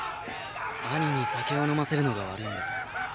兄に酒を飲ませるのが悪いんです。